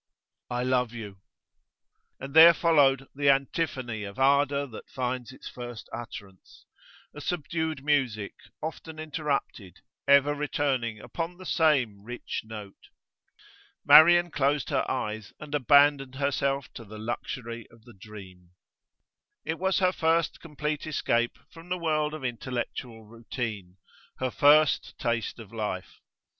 'I love you.' And there followed the antiphony of ardour that finds its first utterance a subdued music, often interrupted, ever returning upon the same rich note. Marian closed her eyes and abandoned herself to the luxury of the dream. It was her first complete escape from the world of intellectual routine, her first taste of life.